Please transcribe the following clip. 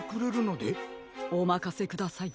おまかせください。